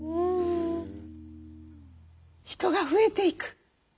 人が増えていく。